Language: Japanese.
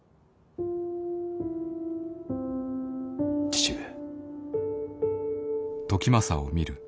父上。